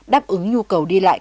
đáp ứng nhu cầu đi lại